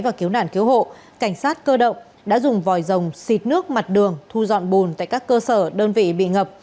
và cứu nạn cứu hộ cảnh sát cơ động đã dùng vòi rồng xịt nước mặt đường thu dọn bùn tại các cơ sở đơn vị bị ngập